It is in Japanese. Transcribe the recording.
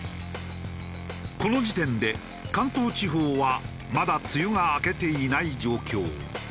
この時点で関東地方はまだ梅雨が明けていない状況。